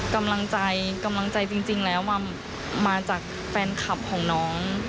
กำลังใจจริงแล้วว่ามาจากแฟนคลับของน้อง